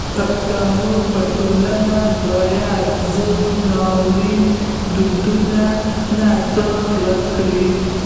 پښتني ټولنه باید د زړو ناوړو دودونو نه ځان خلاص کړي.